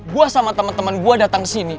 gua sama temen temen gua datang kesini